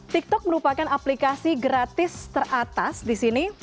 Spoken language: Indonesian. tiktok merupakan aplikasi gratis teratas di sini